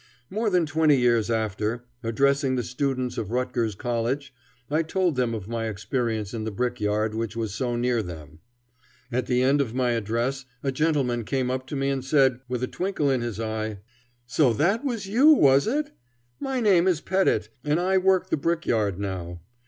More than twenty years after, addressing the students of Rutgers College, I told them of my experience in the brick yard which was so near them. At the end of my address a gentleman came up to me and said, with a twinkle in his eye: "So that was you, was it? My name is Pettit, and I work the brick yard now.